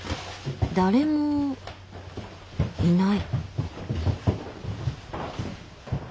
誰もいない。